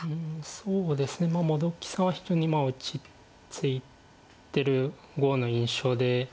そうですね本木さんは非常に落ち着いてる碁の印象で。